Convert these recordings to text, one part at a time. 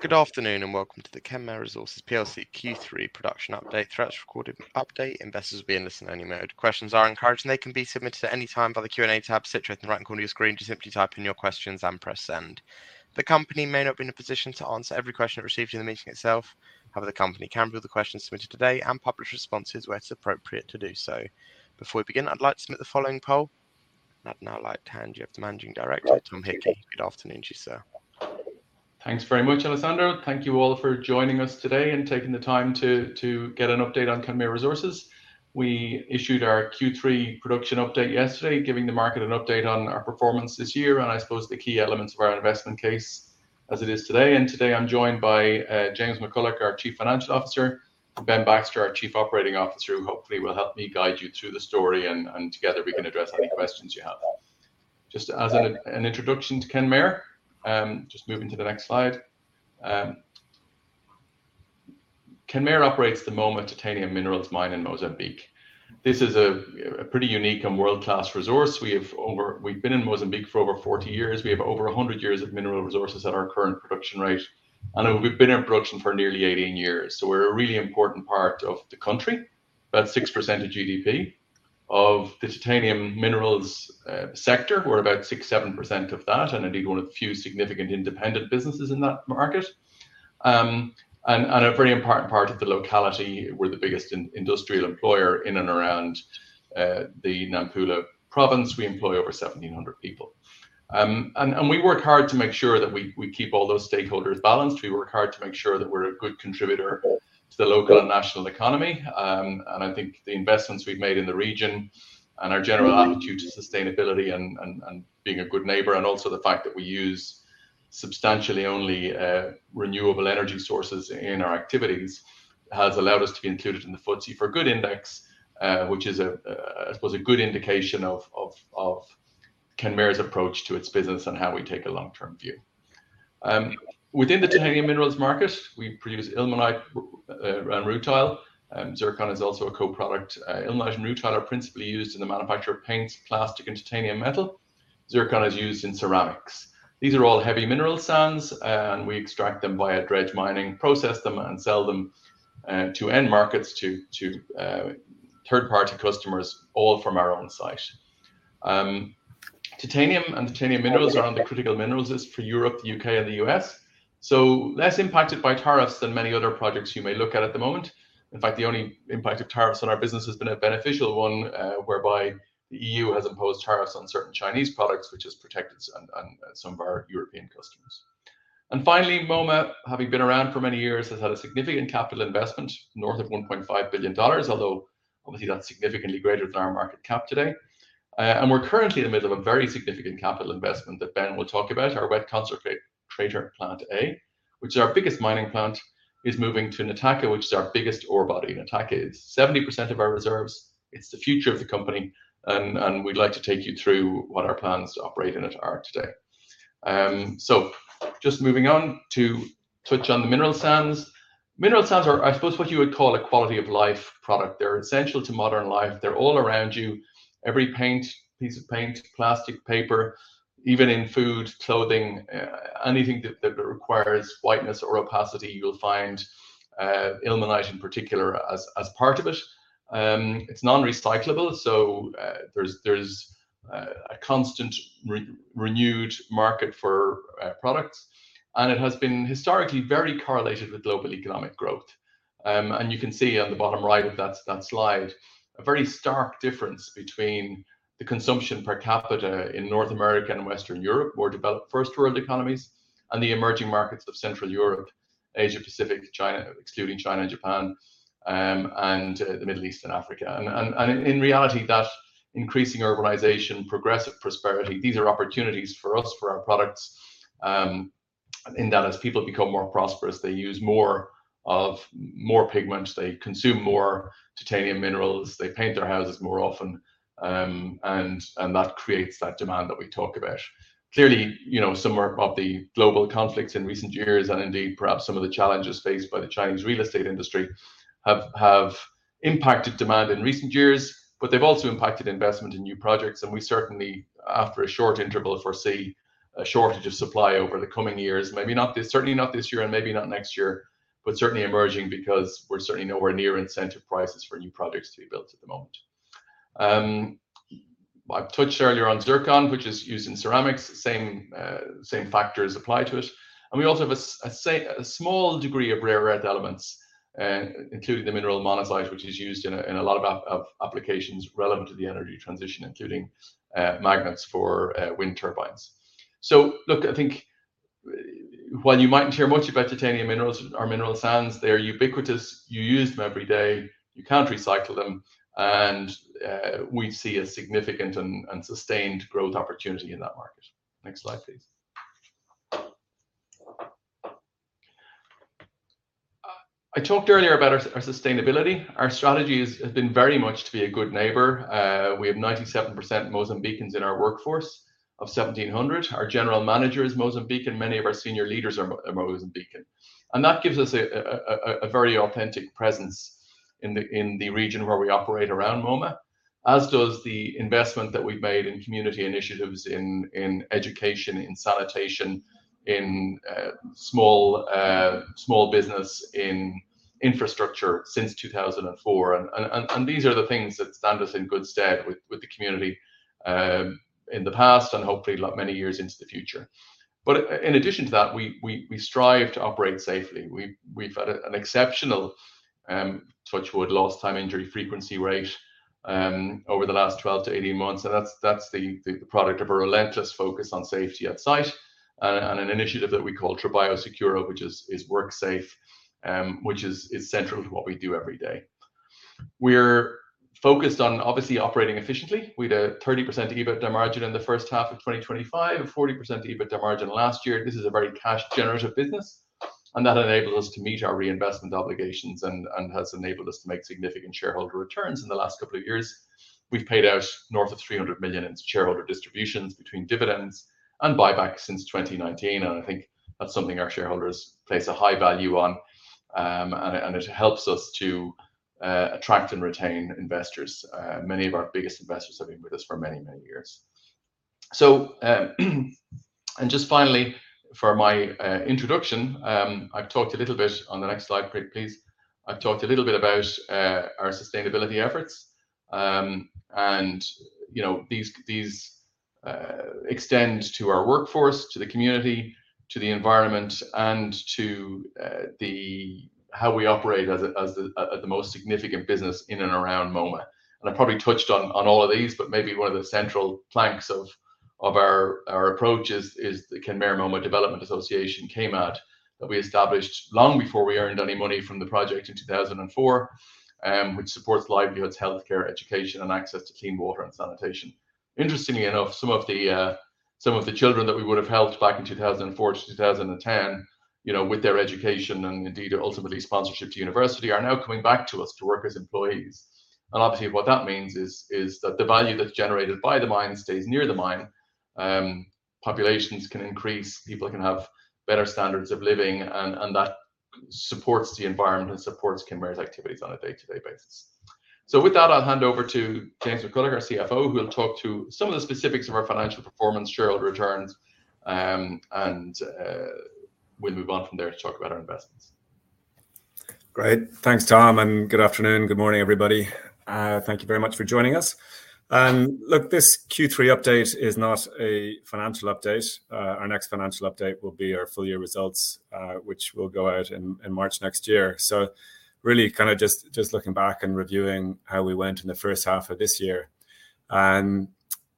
Good afternoon and welcome to the Kenmare Resources plc Q3 production update. Throughout this recorded update, investors will be in listen-only mode. Questions are encouraged, and they can be submitted at any time via the Q&A tab situated at the right corner of your screen. Just simply type in your questions and press send. The company may not be in a position to answer every question it receives in the meeting itself. However, the company can view the questions submitted today and publish responses where it's appropriate to do so. Before we begin, I'd like to submit the following poll. I'd now like to hand you over to Managing Director Tom Hickey. Good afternoon to you, sir. Thanks very much, Alessandro. Thank you all for joining us today and taking the time to get an update on Kenmare Resources. We issued our Q3 production update yesterday, giving the market an update on our performance this year and, I suppose, the key elements of our investment case as it is today, and today I'm joined by James McCullough, our Chief Financial Officer, and Ben Baxter, our Chief Operating Officer, who hopefully will help me guide you through the story, and together we can address any questions you have. Just as an introduction to Kenmare, just moving to the next slide. Kenmare operates the Moma Titanium Minerals Mine in Mozambique. This is a pretty unique and world-class resource. We've been in Mozambique for over 40 years. We have over 100 years of mineral resources at our current production rate, and we've been in production for nearly 18 years. So we're a really important part of the country, about 6% of GDP of the titanium minerals sector, we're about 6%-7% of that and indeed one of the few significant independent businesses in that market. And a very important part of the locality, we're the biggest industrial employer in and around the Nampula province. We employ over 1,700 people. And we work hard to make sure that we keep all those stakeholders balanced. We work hard to make sure that we're a good contributor to the local and national economy. And I think the investments we've made in the region and our general attitude to sustainability and being a good neighbor, and also the fact that we use substantially only renewable energy sources in our activities, has allowed us to be included in the FTSE4Good Index, which is, I suppose, a good indication of Kenmare's approach to its business and how we take a long-term view. Within the titanium minerals market, we produce ilmenite and rutile. Zircon is also a co-product. Ilmenite and rutile are principally used in the manufacture of paints, plastic, and titanium metal. Zircon is used in ceramics. These are all heavy mineral sands, and we extract them via dredge mining, process them, and sell them to end markets, to third-party customers, all from our own site. Titanium and titanium minerals are on the critical minerals list for Europe, the U.K., and the U.S., so less impacted by tariffs than many other projects you may look at at the moment. In fact, the only impact of tariffs on our business has been a beneficial one whereby the E.U. has imposed tariffs on certain Chinese products, which has protected some of our European customers, and finally, Moma, having been around for many years, has had a significant capital investment north of $1.5 billion, although obviously that's significantly greater than our market cap today, and we're currently in the middle of a very significant capital investment that Ben will talk about, our Wet Concentrator Plant A, which is our biggest mining plant, is moving to Nataka, which is our biggest ore body. Nataka is 70% of our reserves. It's the future of the company, and we'd like to take you through what our plans to operate in it are today. So just moving on to touch on the mineral sands. Mineral sands are, I suppose, what you would call a quality of life product. They're essential to modern life. They're all around you. Every paint, piece of paint, plastic, paper, even in food, clothing, anything that requires whiteness or opacity, you'll find ilmenite in particular as part of it. It's non-recyclable, so there's a constant renewed market for products, and it has been historically very correlated with global economic growth. You can see on the bottom right of that slide a very stark difference between the consumption per capita in North America and Western Europe, more developed first world economies, and the emerging markets of Central Europe, Asia Pacific, China, excluding China and Japan, and the Middle East and Africa. In reality, that increasing urbanization, progressive prosperity, these are opportunities for us, for our products, in that as people become more prosperous, they use more of more pigment, they consume more titanium minerals, they paint their houses more often, and that creates that demand that we talk about. Clearly, some of the global conflicts in recent years and indeed perhaps some of the challenges faced by the Chinese real estate industry have impacted demand in recent years, but they've also impacted investment in new projects. And we certainly, after a short interval, foresee a shortage of supply over the coming years, maybe not certainly not this year and maybe not next year, but certainly emerging because we're certainly nowhere near incentive prices for new projects to be built at the moment. I've touched earlier on zircon, which is used in ceramics. Same factors apply to it. And we also have a small degree of rare earth elements, including the mineral monazite, which is used in a lot of applications relevant to the energy transition, including magnets for wind turbines. So look, I think while you mightn't hear much about titanium minerals or mineral sands, they're ubiquitous. You use them every day. You can't recycle them. And we see a significant and sustained growth opportunity in that market. Next slide, please. I talked earlier about our sustainability. Our strategy has been very much to be a good neighbor. We have 97% Mozambicans in our workforce of 1,700. Our general manager is Mozambican. Many of our senior leaders are Mozambican, and that gives us a very authentic presence in the region where we operate around Moma, as does the investment that we've made in community initiatives, in education, in sanitation, in small business, in infrastructure since 2004, and these are the things that stand us in good stead with the community in the past and hopefully many years into the future, but in addition to that, we strive to operate safely. We've had an exceptional touch wood lost time injury frequency rate over the last 12-18 months. And that's the product of a relentless focus on safety at site and an initiative that we call Trabalho Seguro, which is work safe, which is central to what we do every day. We're focused on obviously operating efficiently. We had a 30% EBITDA margin in the first half of 2025, a 40% EBITDA margin last year. This is a very cash-generative business, and that enables us to meet our reinvestment obligations and has enabled us to make significant shareholder returns in the last couple of years. We've paid out north of $300 million in shareholder distributions between dividends and buyback since 2019. And I think that's something our shareholders place a high value on, and it helps us to attract and retain investors. Many of our biggest investors have been with us for many, many years. And just finally, for my introduction, I've talked a little bit on the next slide, please. I've talked a little bit about our sustainability efforts. And these extend to our workforce, to the community, to the environment, and to how we operate as the most significant business in and around Moma. And I probably touched on all of these, but maybe one of the central planks of our approach is the Kenmare Moma Development Association, KMAD, that we established long before we earned any money from the project in 2004, which supports livelihoods, healthcare, education, and access to clean water and sanitation. Interestingly enough, some of the children that we would have helped back in 2004 to 2010, with their education and indeed ultimately sponsorship to university, are now coming back to us to work as employees. And obviously, what that means is that the value that's generated by the mine stays near the mine. Populations can increase. People can have better standards of living. And that supports the environment and supports Kenmare's activities on a day-to-day basis. So with that, I'll hand over to James McCullough, our CFO, who will talk to some of the specifics of our financial performance, shareholder returns, and we'll move on from there to talk about our investments. Great. Thanks, Tom. And good afternoon. Good morning, everybody. Thank you very much for joining us. Look, this Q3 update is not a financial update. Our next financial update will be our full year results, which will go out in March next year. So really kind of just looking back and reviewing how we went in the first half of this year. And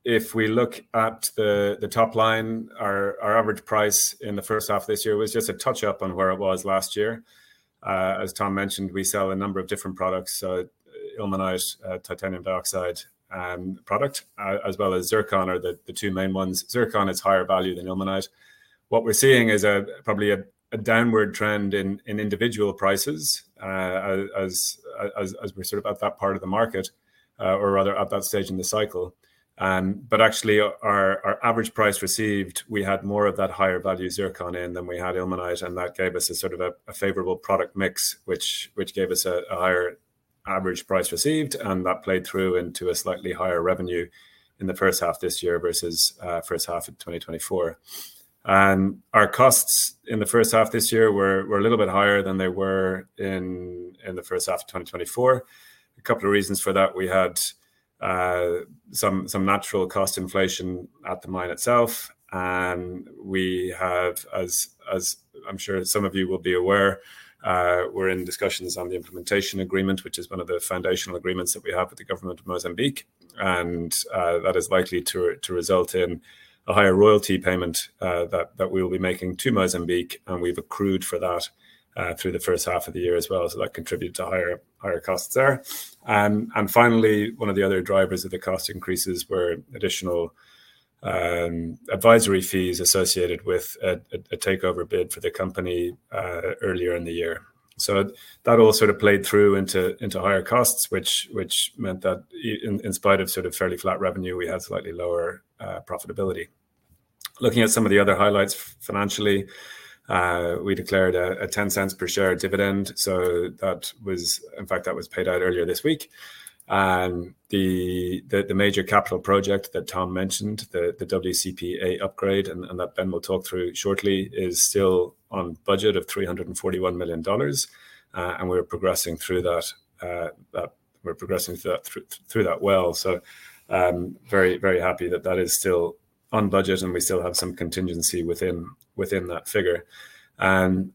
if we look at the top line, our average price in the first half of this year was just a touch-up on where it was last year. As Tom mentioned, we sell a number of different products, so ilmenite, titanium dioxide product, as well as zircon are the two main ones. Zircon is higher value than ilmenite. What we're seeing is probably a downward trend in individual prices as we're sort of at that part of the market, or rather at that stage in the cycle. But actually, our average price received, we had more of that higher value zircon in than we had ilmenite, and that gave us a sort of a favorable product mix, which gave us a higher average price received, and that played through into a slightly higher revenue in the first half this year versus first half of 2024, and our costs in the first half this year were a little bit higher than they were in the first half of 2024. A couple of reasons for that. We had some natural cost inflation at the mine itself, and we have, as I'm sure some of you will be aware, we're in discussions on the Implementation Agreement, which is one of the foundational agreements that we have with the Government of Mozambique, and that is likely to result in a higher royalty payment that we will be making to Mozambique. And we've accrued for that through the first half of the year as well, so that contributed to higher costs there. And finally, one of the other drivers of the cost increases were additional advisory fees associated with a takeover bid for the company earlier in the year. So that all sort of played through into higher costs, which meant that in spite of sort of fairly flat revenue, we had slightly lower profitability. Looking at some of the other highlights financially, we declared a $0.10 per share dividend. So that was, in fact, paid out earlier this week. And the major capital project that Tom mentioned, the WCP A upgrade, and that Ben will talk through shortly, is still on budget of $341 million. And we're progressing through that. We're progressing through that well. So very, very happy that that is still on budget and we still have some contingency within that figure. And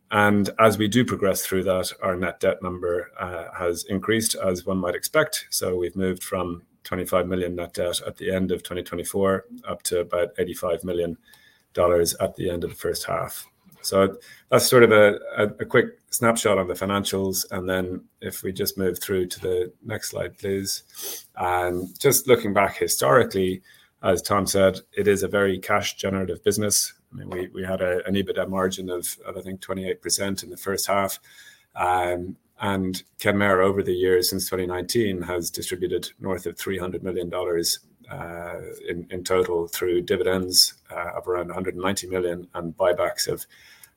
as we do progress through that, our net debt number has increased, as one might expect. So we've moved from $25 million net debt at the end of 2024 up to about $85 million at the end of the first half. So that's sort of a quick snapshot on the financials. And then if we just move through to the next slide, please. And just looking back historically, as Tom said, it is a very cash-generative business. I mean, we had an EBITDA margin of, I think, 28% in the first half. And Kenmare, over the years, since 2019, has distributed north of $300 million in total through dividends of around $190 million and buybacks of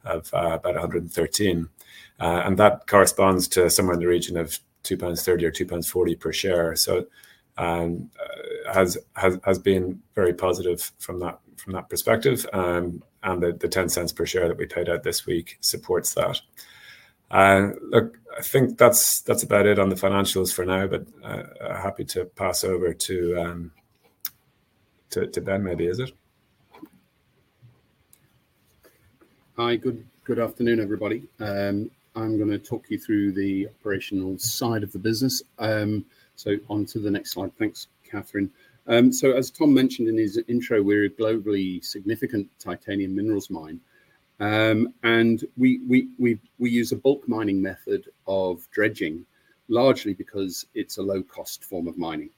about $113. And that corresponds to somewhere in the region of 2.30 pounds or 2.40 pounds per share. So it has been very positive from that perspective. And the $0.10 per share that we paid out this week supports that. Look, I think that's about it on the financials for now, but happy to pass over to Ben maybe, is it? Hi, good afternoon, everybody. I'm going to talk you through the operational side of the business. So, on to the next slide. Thanks, Katharine. So as Tom mentioned in his intro, we're a globally significant titanium minerals mine. And we use a bulk mining method of dredging, largely because it's a low-cost form of mining.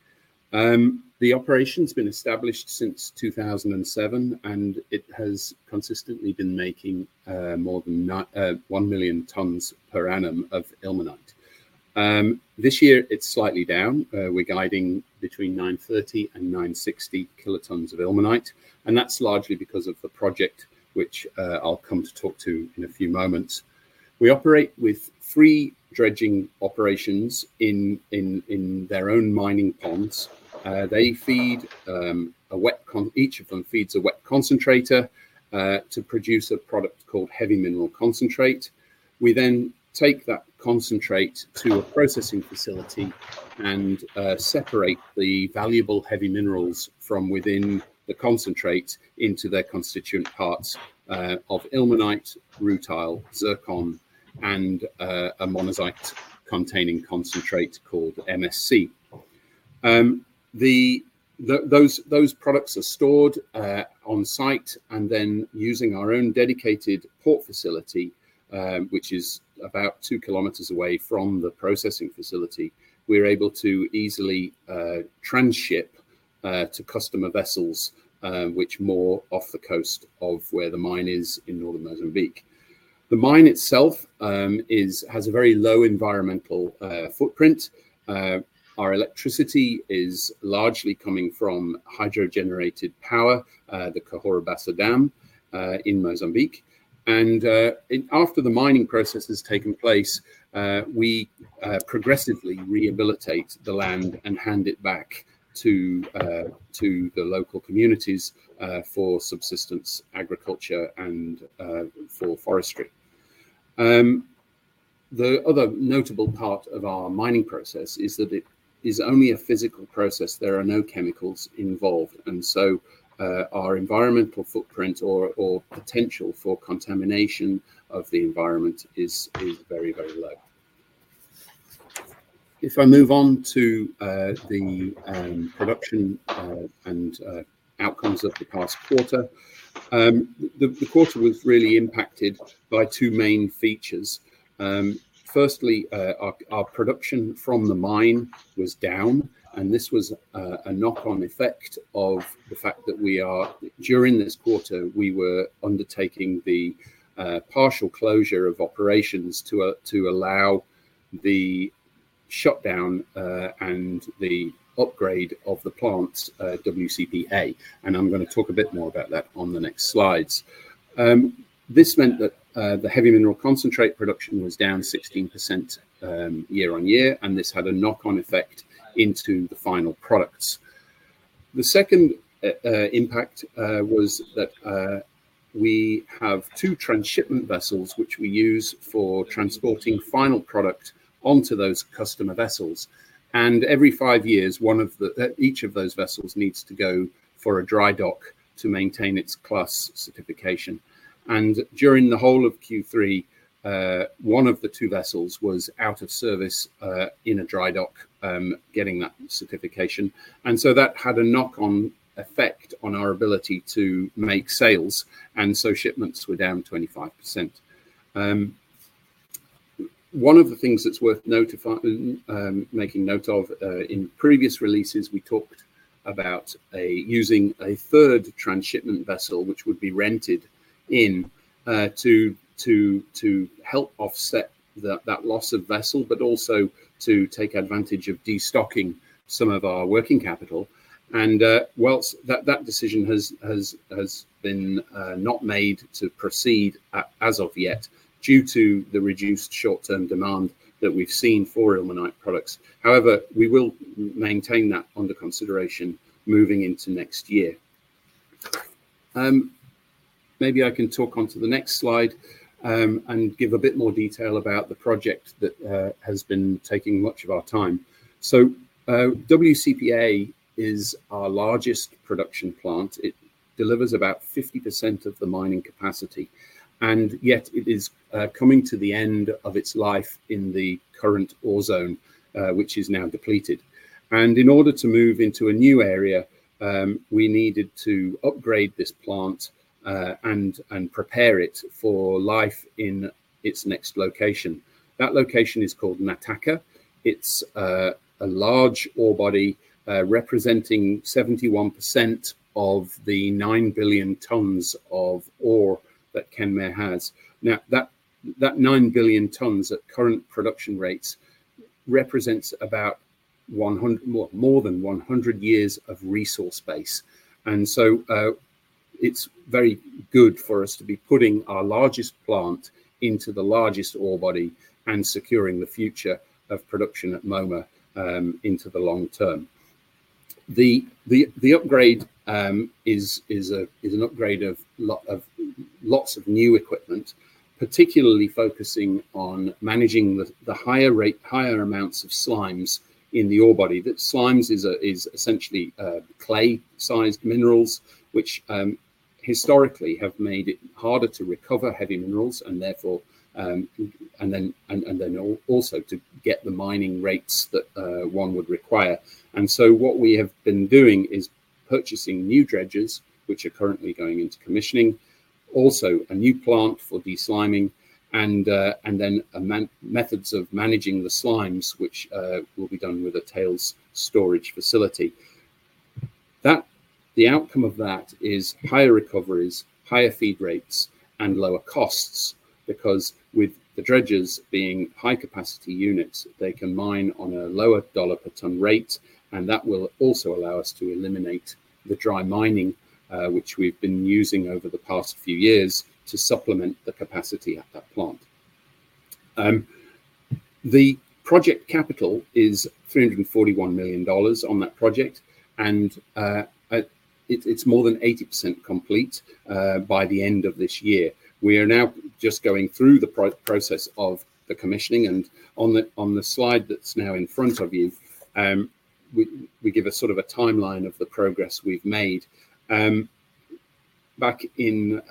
The operation's been established since 2007, and it has consistently been making more than one million tons per annum of ilmenite. This year, it's slightly down. We're guiding between 930 and 960 kilotons of ilmenite. And that's largely because of the project, which I'll come to talk to in a few moments. We operate with three dredging operations in their own mining ponds. Each of them feeds a wet concentrator to produce a product called heavy mineral concentrate. We then take that concentrate to a processing facility and separate the valuable heavy minerals from within the concentrate into their constituent parts of ilmenite, rutile, zircon, and a monazite-containing concentrate called MSC. Those products are stored on site, and then using our own dedicated port facility, which is about two kilometers away from the processing facility, we're able to easily transship to customer vessels, which are moored off the coast of where the mine is in northern Mozambique. The mine itself has a very low environmental footprint. Our electricity is largely coming from hydro-generated power, the Cahora Bassa Dam in Mozambique. And after the mining process has taken place, we progressively rehabilitate the land and hand it back to the local communities for subsistence, agriculture, and for forestry. The other notable part of our mining process is that it is only a physical process. There are no chemicals involved. And so our environmental footprint or potential for contamination of the environment is very, very low. If I move on to the production and outcomes of the past quarter, the quarter was really impacted by two main features. Firstly, our production from the mine was down. And this was a knock-on effect of the fact that during this quarter we were undertaking the partial closure of operations to allow the shutdown and the upgrade of the plant's WCPA. And I'm going to talk a bit more about that on the next slides. This meant that the heavy mineral concentrate production was down 16% year on year. And this had a knock-on effect into the final products. The second impact was that we have two transshipment vessels, which we use for transporting final product onto those customer vessels. And every five years, each of those vessels needs to go for a dry dock to maintain its class certification. And during the whole of Q3, one of the two vessels was out of service in a dry dock getting that certification. And so that had a knock-on effect on our ability to make sales. And so shipments were down 25%. One of the things that's worth making note of, in previous releases, we talked about using a third transshipment vessel, which would be rented in, to help offset that loss of vessel, but also to take advantage of destocking some of our working capital. And whilst that decision has been not made to proceed as of yet due to the reduced short-term demand that we've seen for ilmenite products, however, we will maintain that under consideration moving into next year. Maybe I can talk on to the next slide and give a bit more detail about the project that has been taking much of our time. So WCPA is our largest production plant. It delivers about 50% of the mining capacity. And yet it is coming to the end of its life in the current ore zone, which is now depleted. And in order to move into a new area, we needed to upgrade this plant and prepare it for life in its next location. That location is called Nataka. It's a large ore body representing 71% of the nine billion tons of ore that Kenmare has. Now, that nine billion tons at current production rates represents about more than 100 years of resource base. And so it's very good for us to be putting our largest plant into the largest ore body and securing the future of production at Moma into the long term. The upgrade is an upgrade of lots of new equipment, particularly focusing on managing the higher amounts of slimes in the ore body. That slimes is essentially clay-sized minerals, which historically have made it harder to recover heavy minerals and then also to get the mining rates that one would require. And so what we have been doing is purchasing new dredgers, which are currently going into commissioning, also a new plant for desliming, and then methods of managing the slimes, which will be done with a tailings storage facility. The outcome of that is higher recoveries, higher feed rates, and lower costs because with the dredgers being high-capacity units, they can mine on a lower dollar-per-ton rate. And that will also allow us to eliminate the dry mining, which we've been using over the past few years to supplement the capacity at that plant. The project capital is $341 million on that project. And it's more than 80% complete by the end of this year. We are now just going through the process of the commissioning. And on the slide that's now in front of you, we give a sort of a timeline of the progress we've made. Back in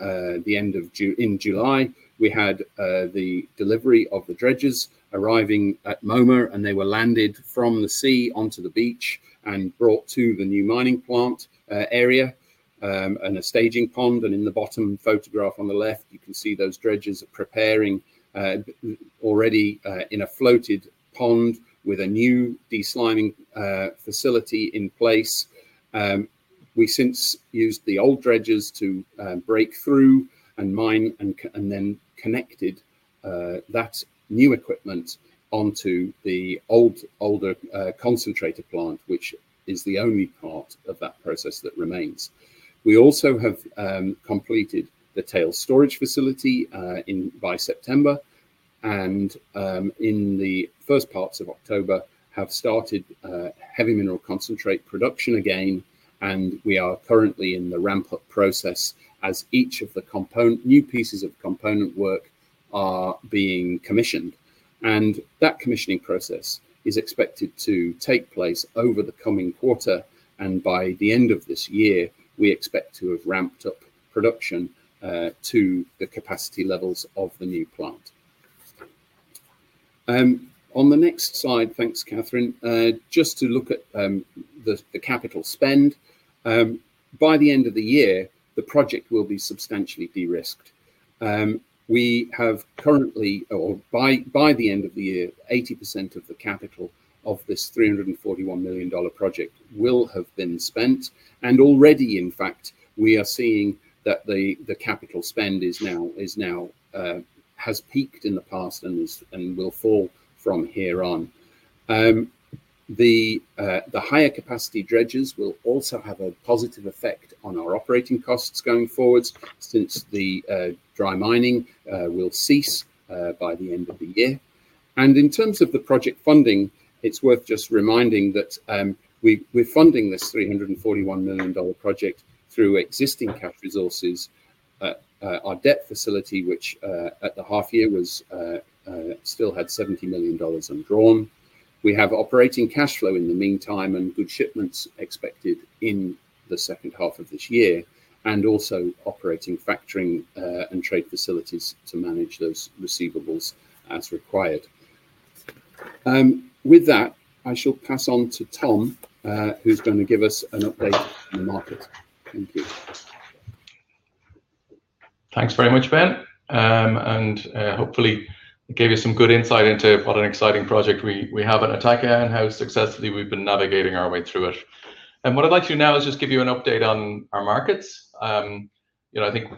the end of July, we had the delivery of the dredgers arriving at Moma, and they were landed from the sea onto the beach and brought to the new mining plant area and a staging pond. And in the bottom photograph on the left, you can see those dredgers preparing already in a floated pond with a new desliming facility in place. We since used the old dredgers to break through and mine and then connected that new equipment onto the older concentrator plant, which is the only part of that process that remains. We also have completed the tailings storage facility by September, and in the first parts of October, we have started heavy mineral concentrate production again, and we are currently in the ramp-up process as each of the new pieces of component work are being commissioned, and that commissioning process is expected to take place over the coming quarter, and by the end of this year, we expect to have ramped up production to the capacity levels of the new plant. On the next slide, thanks, Katharine. Just to look at the capital spend, by the end of the year, the project will be substantially de-risked. We have currently, or by the end of the year, 80% of the capital of this $341 million project will have been spent. And already, in fact, we are seeing that the capital spend has peaked in the past and will fall from here on. The higher capacity dredgers will also have a positive effect on our operating costs going forward since the dry mining will cease by the end of the year. And in terms of the project funding, it's worth just reminding that we're funding this $341 million project through existing cash resources, our debt facility, which at the half year still had $70 million undrawn. We have operating cash flow in the meantime and good shipments expected in the second half of this year, and also operating factoring and trade facilities to manage those receivables as required. With that, I shall pass on to Tom, who's going to give us an update on the market. Thank you. Thanks very much, Ben. And hopefully, it gave you some good insight into what an exciting project we have at Nataka and how successfully we've been navigating our way through it. And what I'd like to do now is just give you an update on our markets. I think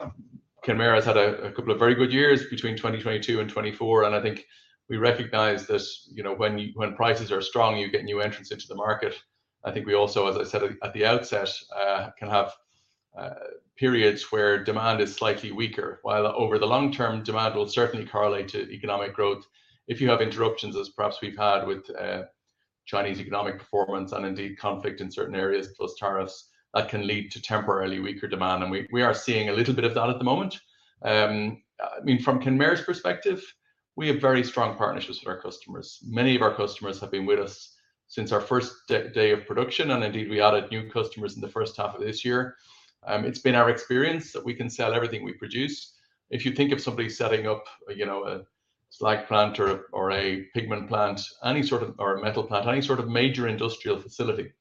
Kenmare has had a couple of very good years between 2022 and 2024. And I think we recognize that when prices are strong, you get new entrants into the market. I think we also, as I said at the outset, can have periods where demand is slightly weaker. While over the long term, demand will certainly correlate to economic growth. If you have interruptions, as perhaps we've had with Chinese economic performance and indeed conflict in certain areas, plus tariffs, that can lead to temporarily weaker demand. And we are seeing a little bit of that at the moment. I mean, from Kenmare's perspective, we have very strong partnerships with our customers. Many of our customers have been with us since our first day of production, and indeed, we added new customers in the first half of this year. It's been our experience that we can sell everything we produce. If you think of somebody setting up a slag plant or a pigment plant, any sort of metal plant, any sort of major industrial facility,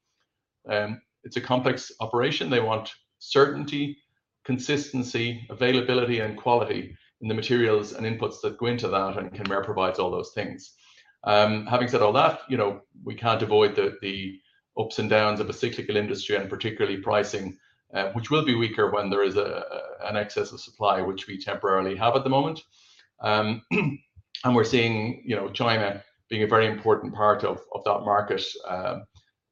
it's a complex operation. They want certainty, consistency, availability, and quality in the materials and inputs that go into that, and Kenmare provides all those things. Having said all that, we can't avoid the ups and downs of a cyclical industry, and particularly pricing, which will be weaker when there is an excess of supply, which we temporarily have at the moment. And we're seeing China being a very important part of that market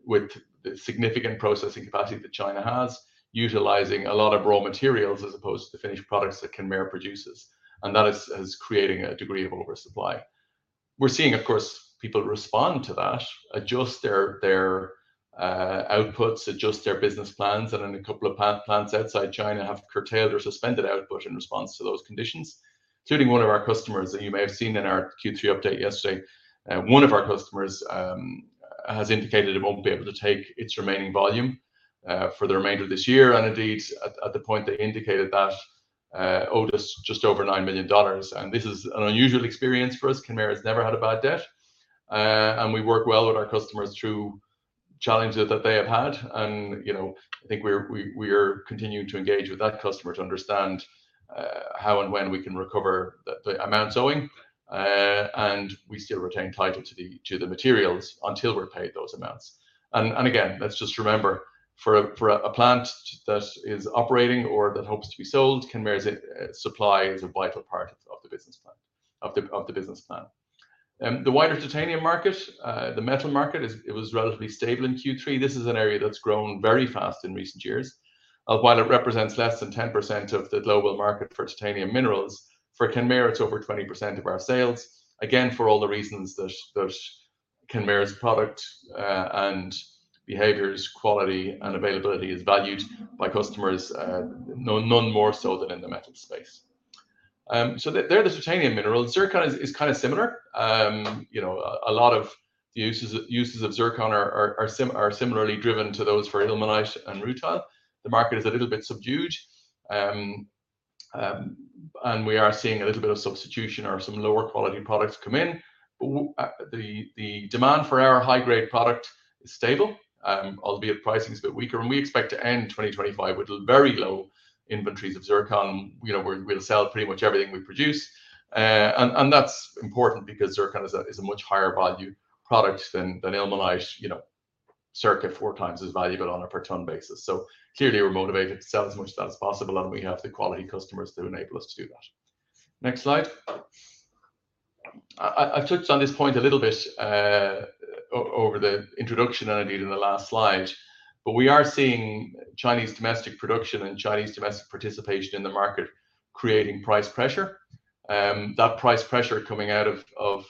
with the significant processing capacity that China has, utilizing a lot of raw materials as opposed to the finished products that Kenmare produces. And that is creating a degree of oversupply. We're seeing, of course, people respond to that, adjust their outputs, adjust their business plans. And then a couple of plants outside China have curtailed or suspended output in response to those conditions, including one of our customers that you may have seen in our Q3 update yesterday. One of our customers has indicated it won't be able to take its remaining volume for the remainder of this year. And indeed, at the point they indicated that, owed us just over $9 million. And this is an unusual experience for us. Kenmare has never had a bad debt. And we work well with our customers through challenges that they have had. And I think we are continuing to engage with that customer to understand how and when we can recover the amount owing. And we still retain title to the materials until we're paid those amounts. And again, let's just remember, for a plant that is operating or that hopes to be sold, Kenmare's supply is a vital part of the business plan. The wider titanium market, the metal market, it was relatively stable in Q3. This is an area that's grown very fast in recent years. While it represents less than 10% of the global market for titanium minerals, for Kenmare, it's over 20% of our sales. Again, for all the reasons that Kenmare's product and behaviors, quality, and availability is valued by customers, none more so than in the metal space. So there are the titanium minerals. Zircon is kind of similar. A lot of the uses of zircon are similarly driven to those for ilmenite and rutile. The market is a little bit subdued. And we are seeing a little bit of substitution or some lower quality products come in. The demand for our high-grade product is stable, albeit pricing is a bit weaker. And we expect to end 2025 with very low inventories of zircon. We'll sell pretty much everything we produce. And that's important because zircon is a much higher value product than ilmenite. Zircon is four times as valuable on a per-ton basis. So clearly, we're motivated to sell as much of that as possible. And we have the quality customers to enable us to do that. Next slide. I've touched on this point a little bit over the introduction and indeed in the last slide. But we are seeing Chinese domestic production and Chinese domestic participation in the market creating price pressure. That price pressure coming out of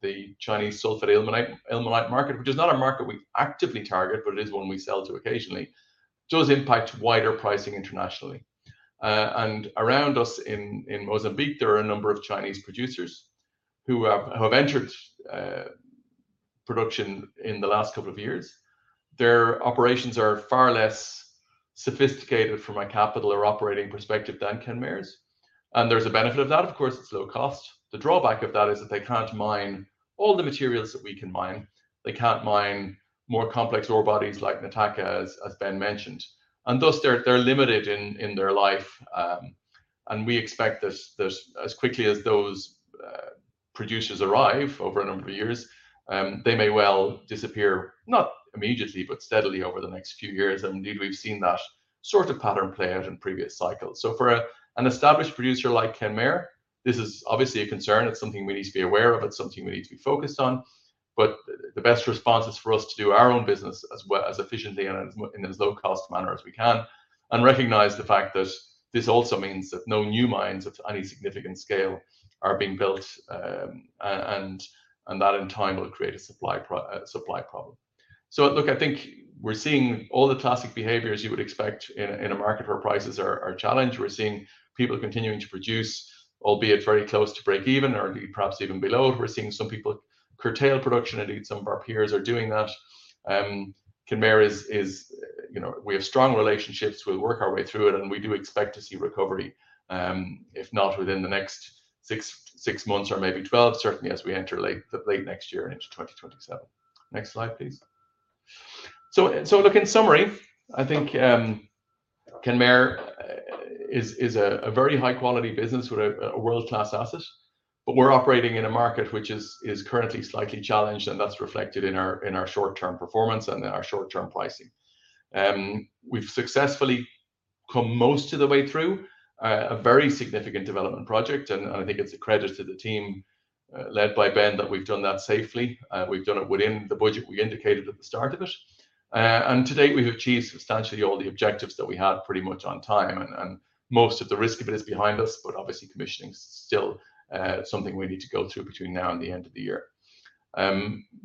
the Chinese sulfate ilmenite market, which is not a market we actively target, but it is one we sell to occasionally, does impact wider pricing internationally. And around us in Mozambique, there are a number of Chinese producers who have entered production in the last couple of years. Their operations are far less sophisticated from a capital or operating perspective than Kenmare's. And there's a benefit of that, of course. It's low cost. The drawback of that is that they can't mine all the materials that we can mine. They can't mine more complex ore bodies like Nataka, as Ben mentioned. And thus, they're limited in their life. And we expect that as quickly as those producers arrive over a number of years, they may well disappear, not immediately, but steadily over the next few years. And indeed, we've seen that sort of pattern play out in previous cycles. So for an established producer like Kenmare, this is obviously a concern. It's something we need to be aware of. It's something we need to be focused on. But the best response is for us to do our own business as efficiently and in as low-cost manner as we can and recognize the fact that this also means that no new mines of any significant scale are being built. And that in time will create a supply problem. So look, I think we're seeing all the classic behaviors you would expect in a market where prices are challenged. We're seeing people continuing to produce, albeit very close to break-even or perhaps even below. We're seeing some people curtail production. Indeed, some of our peers are doing that. Kenmare is, we have strong relationships. We'll work our way through it, and we do expect to see recovery, if not within the next six months or maybe 12, certainly as we enter late next year and into 2027. Next slide, please. So look, in summary, I think Kenmare is a very high-quality business with a world-class asset. But we're operating in a market which is currently slightly challenged. And that's reflected in our short-term performance and in our short-term pricing. We've successfully come most of the way through a very significant development project. And I think it's a credit to the team led by Ben that we've done that safely. We've done it within the budget we indicated at the start of it. And to date, we've achieved substantially all the objectives that we had pretty much on time. And most of the risk of it is behind us. But obviously, commissioning is still something we need to go through between now and the end of the year.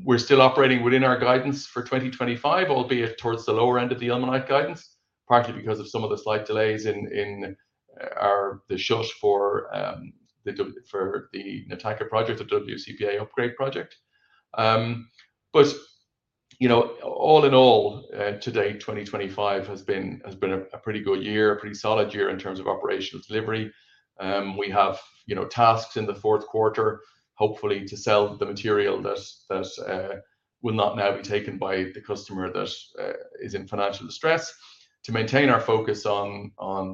We're still operating within our guidance for 2025, albeit towards the lower end of the ilmenite guidance, partly because of some of the slight delays in the shot for the Nataka Project, the WCPA Upgrade Project. But all in all, to date, 2025 has been a pretty good year, a pretty solid year in terms of operational delivery. We have tasks in the fourth quarter, hopefully to sell the material that will not now be taken by the customer that is in financial distress, to maintain our focus on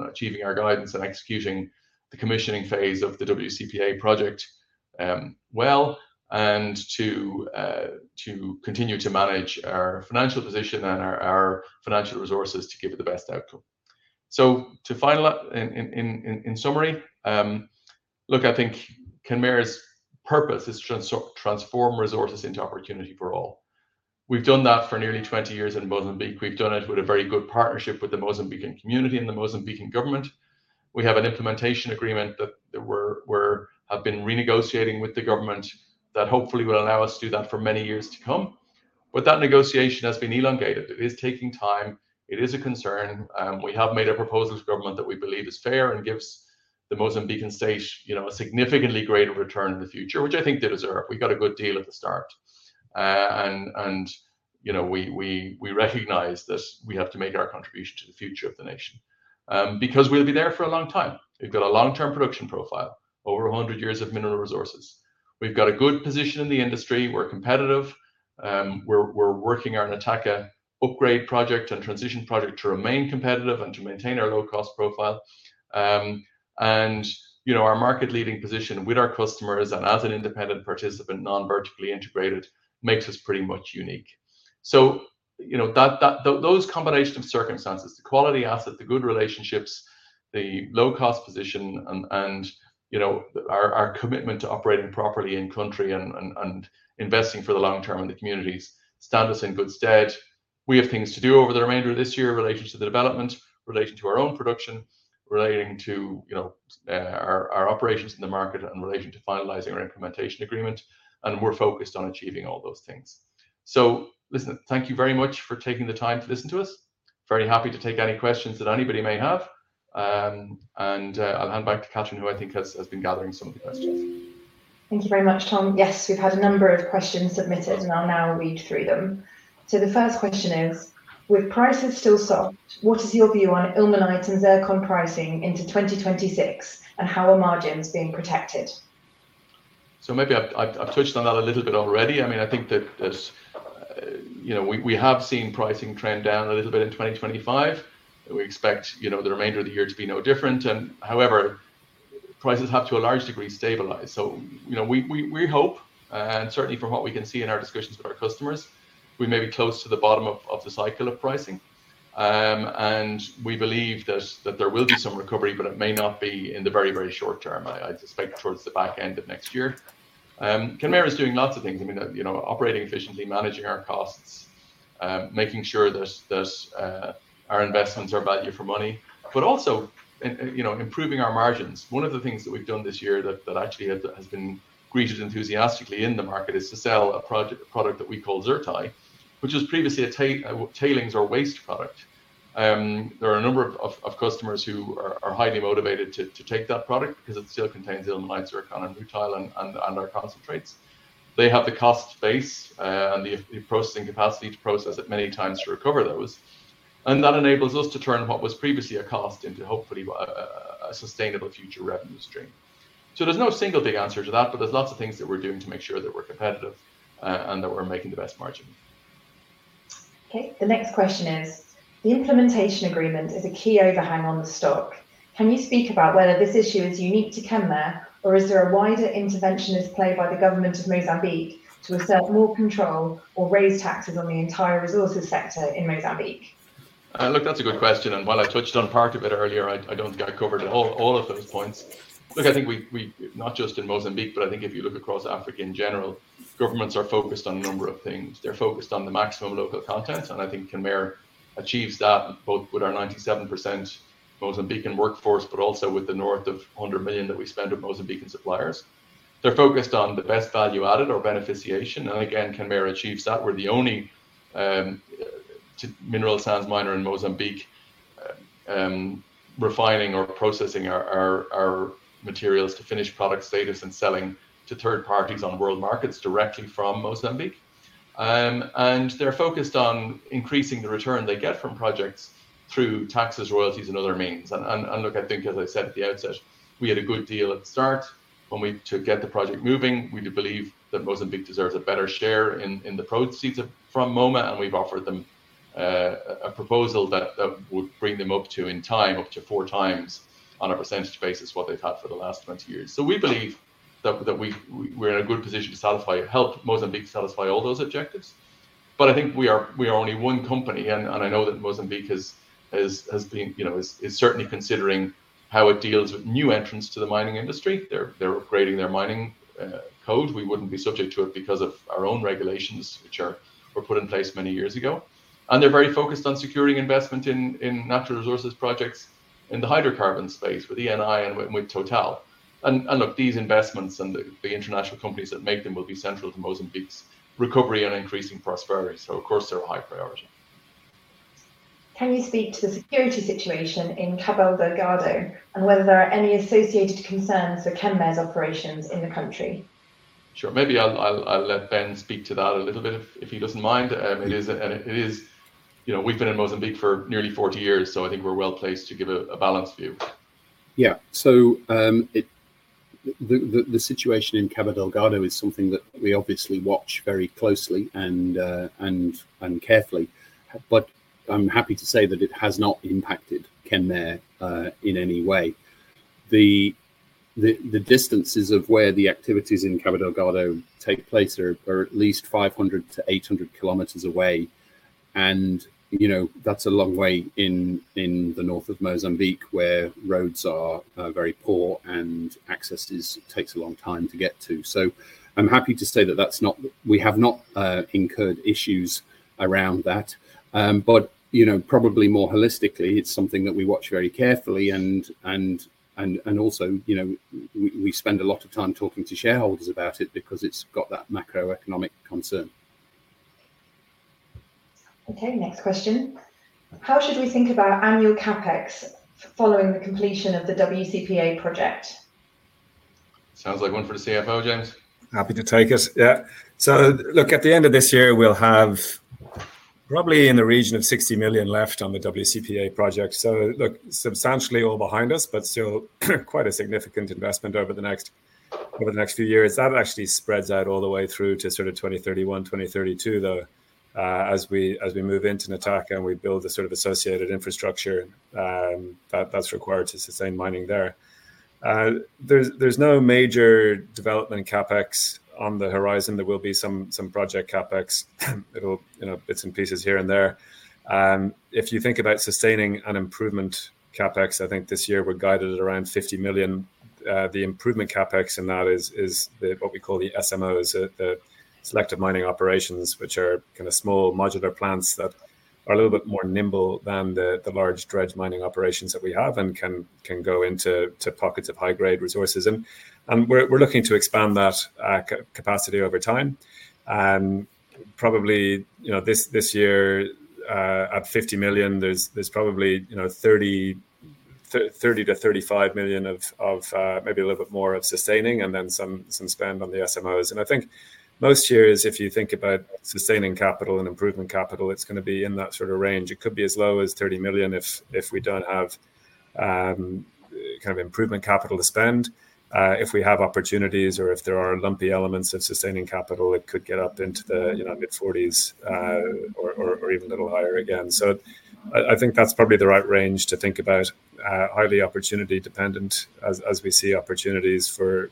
achieving our guidance and executing the commissioning phase of the WCPA project well, and to continue to manage our financial position and our financial resources to give it the best outcome, so to finalize in summary, look, I think Kenmare's purpose is to transform resources into opportunity for all. We've done that for nearly 20 years in Mozambique. We've done it with a very good partnership with the Mozambican community and the Mozambican government. We have an implementation agreement that we have been renegotiating with the government that hopefully will allow us to do that for many years to come, but that negotiation has been elongated. It is taking time. It is a concern. We have made a proposal to government that we believe is fair and gives the Mozambican state a significantly greater return in the future, which I think they deserve. We got a good deal at the start. And we recognize that we have to make our contribution to the future of the nation because we'll be there for a long time. We've got a long-term production profile, over 100 years of mineral resources. We've got a good position in the industry. We're competitive. We're working our Nataka Upgrade Project and transition project to remain competitive and to maintain our low-cost profile. And our market-leading position with our customers and as an independent participant, non-vertically integrated, makes us pretty much unique. So those combinations of circumstances, the quality asset, the good relationships, the low-cost position, and our commitment to operating properly in country and investing for the long term in the communities stand us in good stead. We have things to do over the remainder of this year relating to the development, relating to our own production, relating to our operations in the market, and relating to finalizing our Implementation Agreement. And we're focused on achieving all those things. So listen, thank you very much for taking the time to listen to us. Very happy to take any questions that anybody may have. And I'll hand back to Katharine, who I think has been gathering some of the questions. Thank you very much, Tom. Yes, we've had a number of questions submitted. And I'll now read through them. So the first question is, with prices still soft, what is your view on ilmenite and zircon pricing into 2026, and how are margins being protected? So maybe I've touched on that a little bit already. I mean, I think that we have seen pricing trend down a little bit in 2025. We expect the remainder of the year to be no different. And however, prices have to a large degree stabilize. So we hope, and certainly from what we can see in our discussions with our customers, we may be close to the bottom of the cycle of pricing. And we believe that there will be some recovery, but it may not be in the very, very short term. I suspect towards the back end of next year. Kenmare is doing lots of things. I mean, operating efficiently, managing our costs, making sure that our investments are value for money, but also improving our margins. One of the things that we've done this year that actually has been greeted enthusiastically in the market is to sell a product that we call Zir Ti, which was previously a tailings or waste product. There are a number of customers who are highly motivated to take that product because it still contains ilmenite, zircon, and rutile and our concentrates. They have the cost base and the processing capacity to process it many times to recover those. And that enables us to turn what was previously a cost into hopefully a sustainable future revenue stream. So there's no single big answer to that. But there's lots of things that we're doing to make sure that we're competitive and that we're making the best margin. Okay. The next question is, the Implementation Agreement is a key overhang on the stock. Can you speak about whether this issue is unique to Kenmare, or is there a wider interventionist play by the government of Mozambique to assert more control or raise taxes on the entire resources sector in Mozambique? Look, that's a good question. And while I touched on part of it earlier, I don't think I covered all of those points. Look, I think not just in Mozambique, but I think if you look across Africa in general, governments are focused on a number of things. They're focused on the maximum local content. And I think Kenmare achieves that both with our 97% Mozambican workforce, but also with the north of $100 million that we spend with Mozambican suppliers. They're focused on the best value added or beneficiation. And again, Kenmare achieves that. We're the only mineral sands miner in Mozambique refining or processing our materials to finished product status and selling to third parties on world markets directly from Mozambique. And they're focused on increasing the return they get from projects through taxes, royalties, and other means. And look, I think, as I said at the outset, we had a good deal at the start. When we took the project moving, we believe that Mozambique deserves a better share in the proceeds from Moma. And we've offered them a proposal that would bring them up to, in time, up to four times on a percentage basis what they've had for the last 20 years. So we believe that we're in a good position to help Mozambique satisfy all those objectives. But I think we are only one company. And I know that Mozambique is certainly considering how it deals with new entrants to the mining industry. They're upgrading their mining code. We wouldn't be subject to it because of our own regulations, which were put in place many years ago. And they're very focused on securing investment in natural resources projects in the hydrocarbon space with Eni and with Total. And look, these investments and the international companies that make them will be central to Mozambique's recovery and increasing prosperity. So of course, they're a high priority. Can you speak to the security situation in Cabo Delgado and whether there are any associated concerns for Kenmare's operations in the country? Sure. Maybe I'll let Ben speak to that a little bit if he doesn't mind. We've been in Mozambique for nearly 40 years. So I think we're well placed to give a balanced view. Yeah. So the situation in Cabo Delgado is something that we obviously watch very closely and carefully. But I'm happy to say that it has not impacted Kenmare in any way. The distances of where the activities in Cabo Delgado take place are at least 500 km-800 km away. And that's a long way in the north of Mozambique where roads are very poor and access takes a long time to get to. So I'm happy to say that we have not incurred issues around that. But probably more holistically, it's something that we watch very carefully. And also, we spend a lot of time talking to shareholders about it because it's got that macroeconomic concern. Okay. Next question. How should we think about annual CapEx following the completion of the WCPA project? Sounds like one for the CFO, James. Happy to take it. Yeah. So look, at the end of this year, we'll have probably in the region of $60 million left on the WCPA project. So look, substantially all behind us, but still quite a significant investment over the next few years. That actually spreads out all the way through to sort of 2031, 2032, though, as we move into Nataka and we build the sort of associated infrastructure that's required to sustain mining there. There's no major development CapEx on the horizon. There will be some project CapEx. It'll have bits and pieces here and there. If you think about sustaining and improvement CapEx, I think this year we're guided at around $50 million. The improvement CapEx in that is what we call the SMOs, the selective mining operations, which are kind of small modular plants that are a little bit more nimble than the large dredge mining operations that we have and can go into pockets of high-grade resources, and we're looking to expand that capacity over time. Probably this year, at $50 million, there's probably $30 million-$35 million of maybe a little bit more of sustaining and then some spend on the SMOs, and I think most years, if you think about sustaining capital and improvement capital, it's going to be in that sort of range. It could be as low as $30 million if we don't have kind of improvement capital to spend. If we have opportunities or if there are lumpy elements of sustaining capital, it could get up into the mid-$40s or even a little higher again. So I think that's probably the right range to think about, highly opportunity-dependent, as we see opportunities for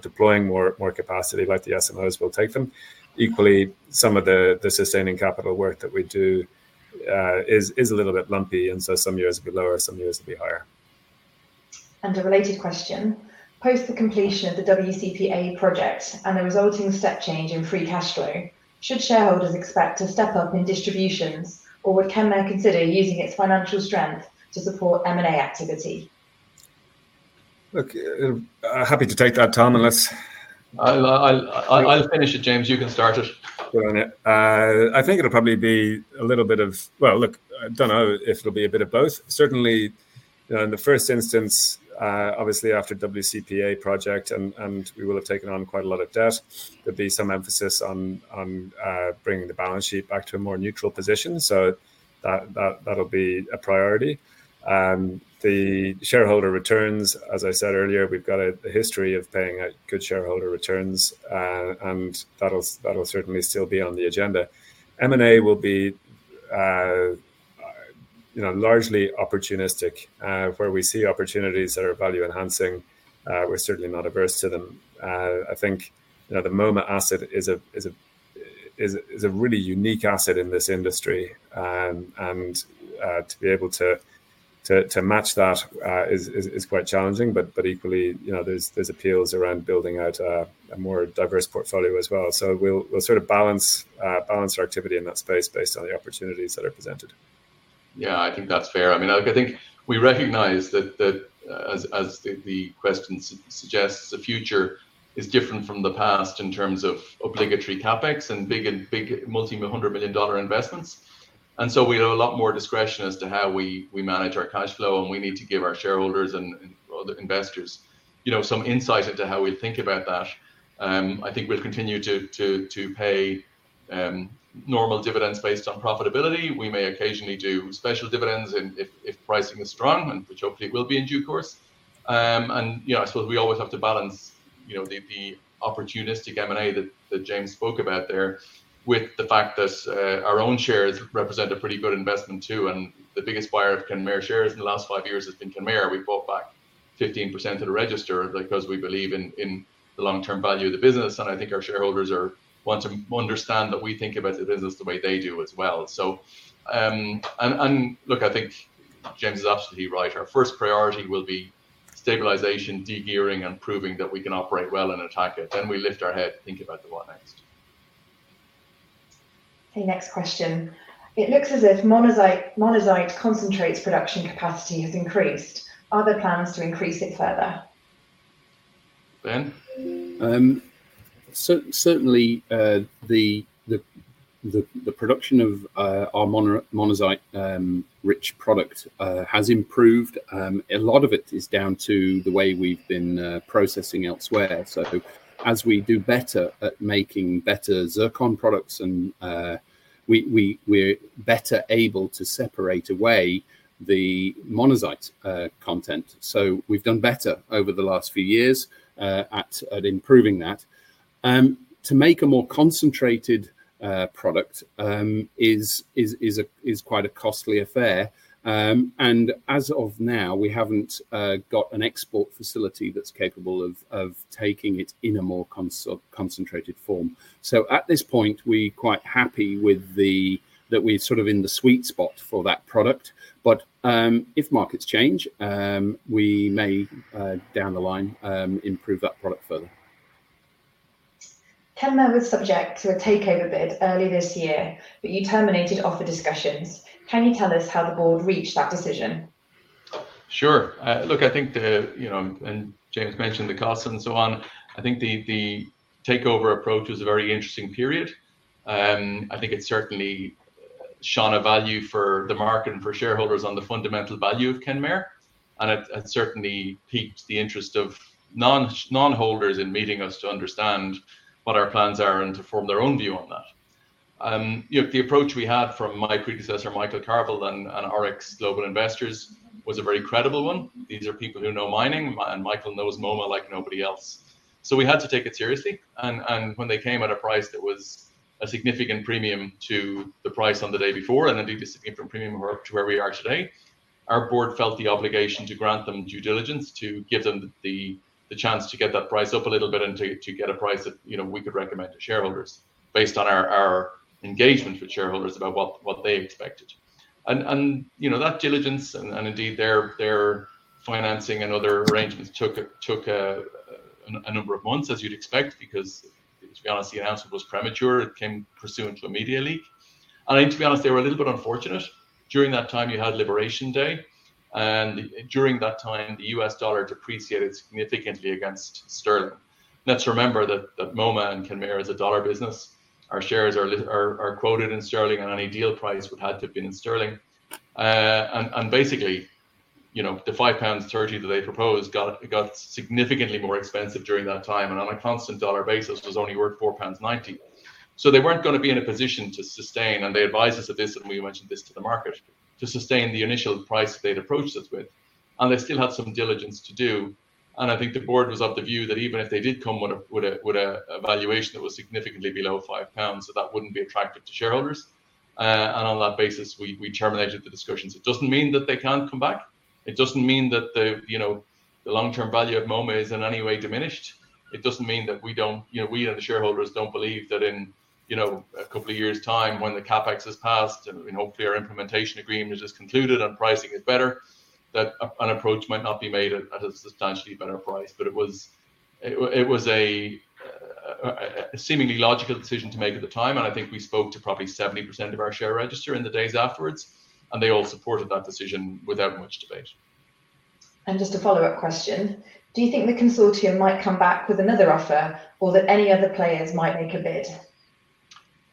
deploying more capacity like the SMOs will take them. Equally, some of the sustaining capital work that we do is a little bit lumpy. And so some years it'll be lower, some years it'll be higher. A related question. Post the completion of the WCPA project and the resulting step change in free cash flow, should shareholders expect to step up in distributions, or would Kenmare consider using its financial strength to support M&A activity? Look, I'm happy to take that, Tom, unless. I'll finish it, James. You can start it. I think it'll probably be a little bit of, well, look, I don't know if it'll be a bit of both. Certainly, in the first instance, obviously after the WCPA project, and we will have taken on quite a lot of debt, there'll be some emphasis on bringing the balance sheet back to a more neutral position, so that'll be a priority. The shareholder returns, as I said earlier, we've got a history of paying good shareholder returns, and that'll certainly still be on the agenda. M&A will be largely opportunistic. Where we see opportunities that are value-enhancing, we're certainly not averse to them. I think the Moma asset is a really unique asset in this industry, and to be able to match that is quite challenging, but equally, there's appeals around building out a more diverse portfolio as well. So we'll sort of balance our activity in that space based on the opportunities that are presented. Yeah, I think that's fair. I mean, I think we recognize that, as the question suggests, the future is different from the past in terms of obligatory CapEx and big multi-$100 million-dollar investments. And so we have a lot more discretion as to how we manage our cash flow. And we need to give our shareholders and investors some insight into how we think about that. I think we'll continue to pay normal dividends based on profitability. We may occasionally do special dividends if pricing is strong, which hopefully will be in due course. And I suppose we always have to balance the opportunistic M&A that James spoke about there with the fact that our own shares represent a pretty good investment too. And the biggest buyer of Kenmare shares in the last five years has been Kenmare. We bought back 15% of the register because we believe in the long-term value of the business. And I think our shareholders want to understand that we think about the business the way they do as well. And look, I think James is absolutely right. Our first priority will be stabilization, degearing, and proving that we can operate well in Nataka. Then we lift our head and think about the what next. Okay. Next question. It looks as if Monazite concentrates production capacity has increased. Are there plans to increase it further? Ben? Certainly, the production of our monazite-rich product has improved. A lot of it is down to the way we've been processing elsewhere. So as we do better at making better zircon products, we're better able to separate away the monazite content. So we've done better over the last few years at improving that. To make a more concentrated product is quite a costly affair. And as of now, we haven't got an export facility that's capable of taking it in a more concentrated form. So at this point, we're quite happy that we're sort of in the sweet spot for that product. But if markets change, we may, down the line, improve that product further. Kenmare was subject to a takeover bid early this year, but you terminated offer discussions. Can you tell us how the board reached that decision? Sure. Look, I think, and James mentioned the cost and so on, I think the takeover approach was a very interesting period. I think it certainly shone a value for the market and for shareholders on the fundamental value of Kenmare. And it certainly piqued the interest of non-holders in meeting us to understand what our plans are and to form their own view on that. The approach we had from my predecessor, Michael Carvill, and our ex-global investors was a very credible one. These are people who know mining. And Michael knows Moma like nobody else. So we had to take it seriously. When they came at a price that was a significant premium to the price on the day before and a significant premium to where we are today, our board felt the obligation to grant them due diligence to give them the chance to get that price up a little bit and to get a price that we could recommend to shareholders based on our engagement with shareholders about what they expected. That diligence, and indeed their financing and other arrangements took a number of months, as you'd expect, because to be honest, the announcement was premature. It came pursuant to a media leak. To be honest, they were a little bit unfortunate. During that time, you had Liberation Day. During that time, the U.S. dollar depreciated significantly against sterling. Let's remember that Moma and Kenmare is a dollar business. Our shares are quoted in sterling, and any deal price would have to have been in sterling, and basically, the 5.30 pounds that they proposed got significantly more expensive during that time, and on a constant dollar basis, it was only worth 4.90 pounds, so they weren't going to be in a position to sustain, and they advised us of this, and we mentioned this to the market, to sustain the initial price that they'd approached us with, and they still had some diligence to do, and I think the board was of the view that even if they did come with a valuation that was significantly below 5 pounds, that wouldn't be attractive to shareholders, and on that basis, we terminated the discussions. It doesn't mean that they can't come back. It doesn't mean that the long-term value of Moma is in any way diminished. It doesn't mean that we and the shareholders don't believe that in a couple of years' time, when the CapEx has passed and hopefully our Implementation Agreement is concluded and pricing is better, that an approach might not be made at a substantially better price. But it was a seemingly logical decision to make at the time. And I think we spoke to probably 70% of our share register in the days afterwards. And they all supported that decision without much debate. Just a follow-up question. Do you think the consortium might come back with another offer or that any other players might make a bid?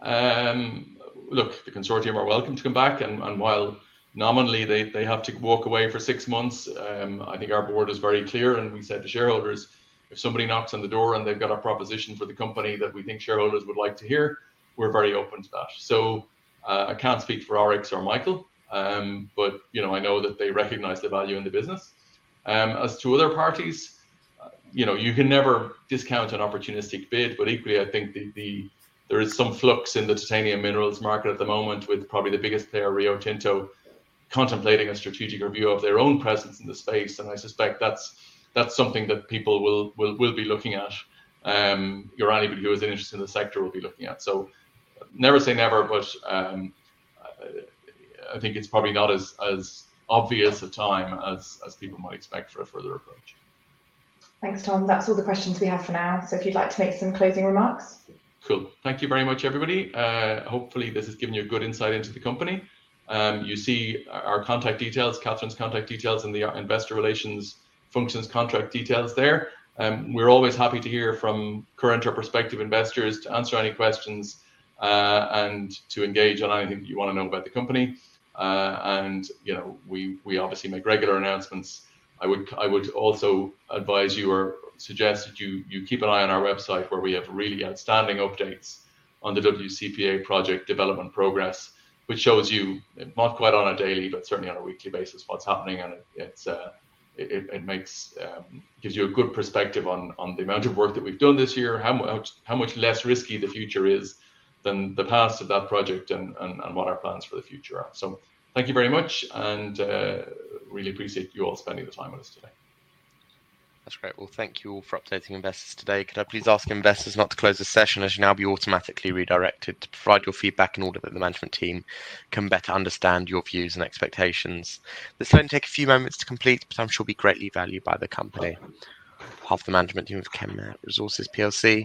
Look, the consortium are welcome to come back. And while nominally they have to walk away for six months, I think our board is very clear. And we said to shareholders, if somebody knocks on the door and they've got a proposition for the company that we think shareholders would like to hear, we're very open to that. So I can't speak for Arix or Michael, but I know that they recognize the value in the business. As to other parties, you can never discount an opportunistic bid. But equally, I think there is some flux in the titanium minerals market at the moment with probably the biggest player, Rio Tinto, contemplating a strategic review of their own presence in the space. And I suspect that's something that people will be looking at. Or anybody who is interested in the sector will be looking at. So never say never, but I think it's probably not as obvious a time as people might expect for a further approach. Thanks, Tom. That's all the questions we have for now. So if you'd like to make some closing remarks. Cool. Thank you very much, everybody. Hopefully, this has given you a good insight into the company. You see our contact details, Katharine's contact details, and the investor relations function's contact details there. We're always happy to hear from current or prospective investors, to answer any questions, and to engage on anything that you want to know about the company, and we obviously make regular announcements. I would also advise you or suggest that you keep an eye on our website where we have really outstanding updates on the WCPA project development progress, which shows you not quite on a daily, but certainly on a weekly basis what's happening, and it gives you a good perspective on the amount of work that we've done this year, how much less risky the future is than the past of that project, and what our plans for the future are. Thank you very much. Really appreciate you all spending the time with us today. That's great. Well, thank you all for updating investors today. Could I please ask investors not to close the session as you now be automatically redirected to provide your feedback in order that the management team can better understand your views and expectations? This will only take a few moments to complete, but I'm sure it will be greatly valued by the company. On behalf of the management team of Kenmare Resources PLC.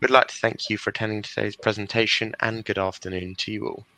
We'd like to thank you for attending today's presentation. And good afternoon to you all.